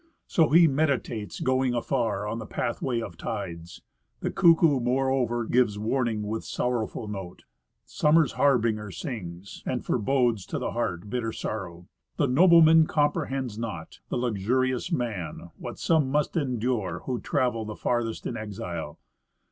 So he meditates going afar on the pathway of tides. The cuckoo, moreover, gives warning with sorrowful note. Summer's harbinger sings, and forebodes to the heart bitter sorrow. The nobleman comprehends not, the luxurious man, What some must endure, who travel the farthest in exile.